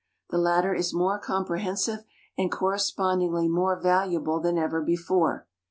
The latter is more comprehensive and correspondingly more valuable than ever before.